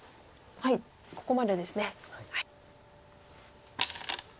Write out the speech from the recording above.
ここまでですね。